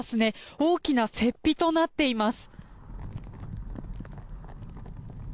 大きな雪庇となっています。